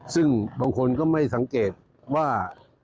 ซึ่งบางคนก็ไม่สังเกตว่า